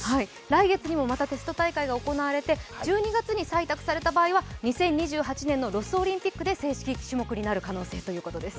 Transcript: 来月にもまたテスト大会が行われて１２月に採択された場合は２０２８年のロスオリンピックで正式種目になる可能性ということです。